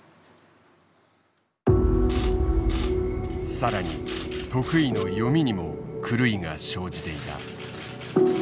さらに得意の読みにも狂いが生じていた。